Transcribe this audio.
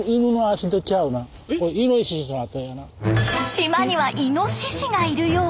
島にはイノシシがいるよう。